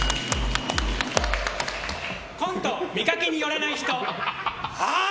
コント、見かけによらない人。